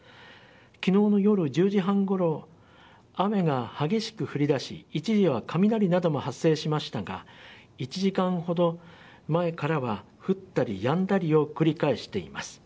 きのうの夜１０時半ごろ雨が激しく降り出し一時は、雷なども発生しましたが１時間程前からは降ったりやんだりを繰り返しています。